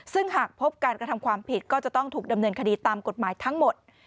ซึ่งหากพบการกระทำความผิดก็จะต้องถูกดำเนินคดีตามกฎหมายทั้งหมด